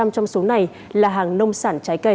bảy mươi trong số này là hàng nông sản trái cây